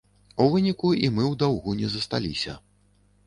У выніку і мы ў даўгу не засталіся.